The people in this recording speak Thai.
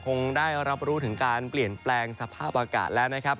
คงได้รับรู้ถึงการเปลี่ยนแปลงสภาพอากาศแล้วนะครับ